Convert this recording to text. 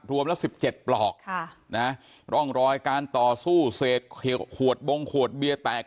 ละ๑๗ปลอกร่องรอยการต่อสู้เศษขวดบงขวดเบียร์แตก